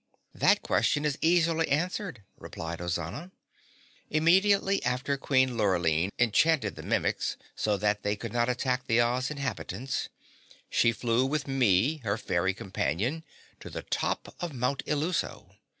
"That question is easily answered," replied Ozana. "Immediately after Queen Lurline enchanted the Mimics so that they could not attack the Oz inhabitants, she flew with me, her fairy companion, to the top of Mount Illuso.